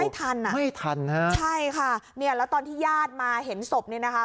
ทันอ่ะไม่ทันฮะใช่ค่ะเนี่ยแล้วตอนที่ญาติมาเห็นศพเนี่ยนะคะ